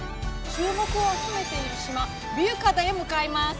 注目を集めている島、ビュユックアダへ向かいます。